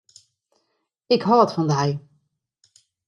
Ik hâld fan dy.